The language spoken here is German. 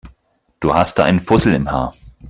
Du hast da einen Fussel im Haar.